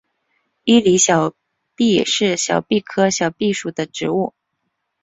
伊犁小檗是小檗科小檗属的植物。